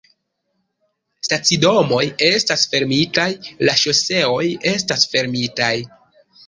Stacidomoj estas fermitaj, la ŝoseoj estas fermitaj